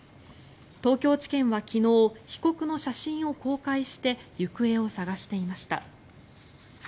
東京地検は昨日被告の写真を公開して行方を捜していました。